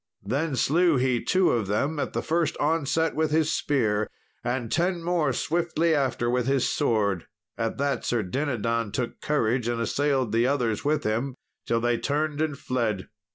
Then slew he two of them at the first onset with his spear, and ten more swiftly after with his sword. At that Sir Dinadan took courage, and assailed the others with him, till they turned and fled.